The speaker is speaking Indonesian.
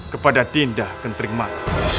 kepada dinda kentriman